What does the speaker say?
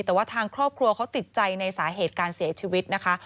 แต่ว่าทางครอบครัวเขาติดใจในสาเหตุการเสียชีวิตนะคะ